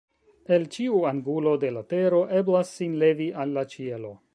El ĉiu angulo de la tero eblas sin levi al la ĉielo”.